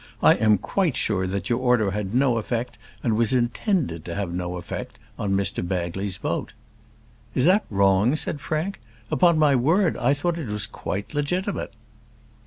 "I am quite sure that your order had no effect, and was intended to have no effect on Mr Bagley's vote." "Is that wrong?" said Frank; "upon my word I thought that it was quite legitimate."